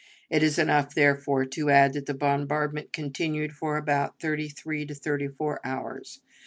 It is enough, therefore, to add that the bombardment continued for about thirty three or thirty four hours.